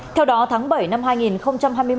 theo đó tháng bảy năm hai nghìn hai mươi một